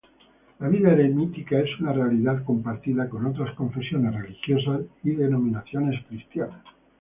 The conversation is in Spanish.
La vida eremítica es una realidad compartida con otras confesiones religiosas y denominaciones cristiana.